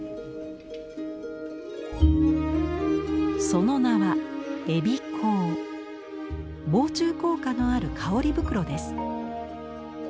その名は防虫効果のある香り袋です。